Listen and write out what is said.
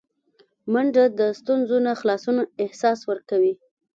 منډه د ستونزو نه خلاصون احساس ورکوي